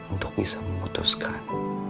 untuk bisa memutuskan